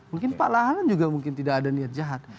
mungkin pak lahanan juga tidak ada niat jahat